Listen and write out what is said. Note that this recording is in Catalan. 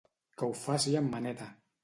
Que ho faci en Maneta!